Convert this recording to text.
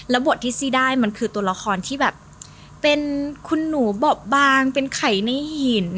บทที่ซี่ได้มันคือตัวละครที่แบบเป็นคุณหนูบอบบางเป็นไข่ในหิน